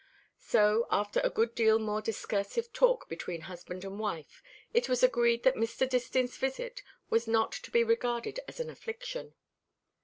So after a good deal more discursive talk between husband and wife it was agreed that Mr. Distin's visit was not to be regarded as an affliction.